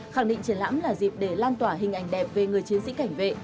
khẳng định triển lãm là dịp để lan tỏa hình ảnh đẹp về người chiến sĩ cảnh vệ